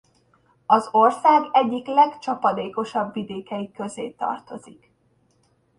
Az ország egyik legcsapadékosabb vidékei közé tartozik.